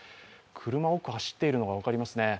車が奥に走っているのが分かりますね。